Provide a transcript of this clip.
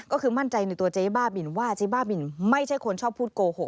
ก็คือมั่นใจในตัวเจ๊บ้าบินว่าเจ๊บ้าบินไม่ใช่คนชอบพูดโกหก